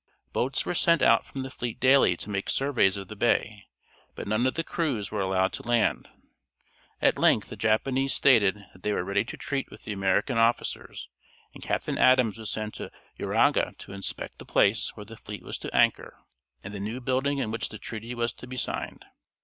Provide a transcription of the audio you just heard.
Boats were sent out from the fleet daily to make surveys of the bay, but none of the crews were allowed to land. At length the Japanese stated that they were ready to treat with the American officers, and Captain Adams was sent to Uraga to inspect the place where the fleet was to anchor, and the new building in which the treaty was to be signed.